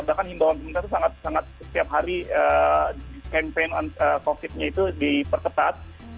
bahkan himbawan pemerintah itu sangat sangat setiap hari campaign covid nya itu diperketat